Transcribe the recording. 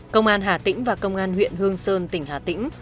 công an hà tĩnh và công an huyện hương sơn tỉnh hà tĩnh